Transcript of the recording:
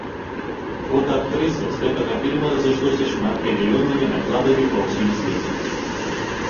Фота актрысы з гэтага фільма разышлося шматмільённымі накладамі па ўсім свеце.